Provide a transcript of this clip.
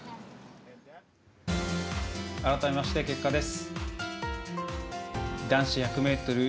改めまして結果です。